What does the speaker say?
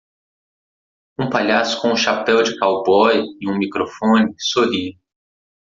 Um palhaço com um chapéu de cowboy e um microfone sorri.